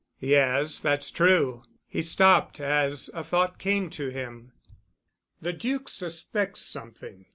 "Yes, that's true." He stopped as a thought came to him. "The Duc suspects something.